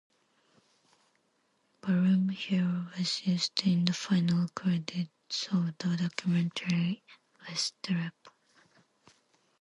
"Barroom Hero" was used in the final credits of the documentary "Restrepo".